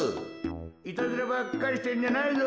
いたずらばっかりしてんじゃないぞ。